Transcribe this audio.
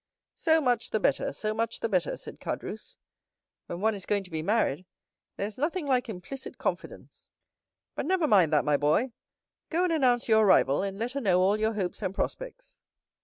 "So much the better—so much the better," said Caderousse. "When one is going to be married, there is nothing like implicit confidence; but never mind that, my boy,—go and announce your arrival, and let her know all your hopes and prospects."